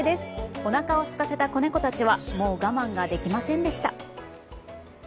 おなかをすかせた子猫たちはもう我慢ができませんでした。